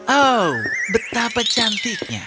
oh betapa cantiknya